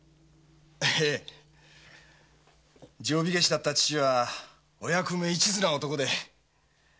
ええ。定火消だった父はお役目一途な男で。